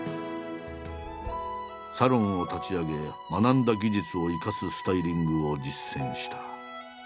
サロンを立ち上げ学んだ技術を生かすスタイリングを実践した。